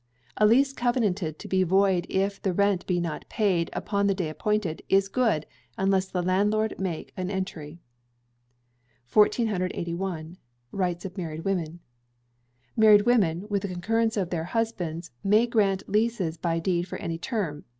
A lease covenanted to be void if the rent be not paid upon the day appointed, is good, unless the landlord make an entry. 1481. Rights of Married Women. Married Women, with the concurrence of their husbands, may grant leases by deed for any term.